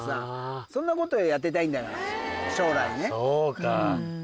そうか。